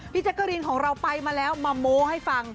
แจ๊กกะรีนของเราไปมาแล้วมาโม้ให้ฟัง